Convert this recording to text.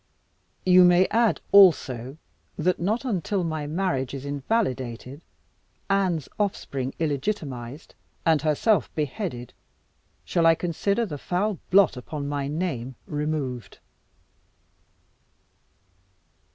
You may add, also, that not until my marriage is invalidated, Anne's offspring illegitimatised, and herself beheaded, shall I consider the foul blot upon my name removed."